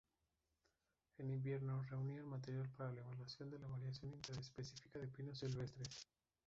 En invierno, reunían material para la evaluación de la variación intraespecífica de pinos silvestres.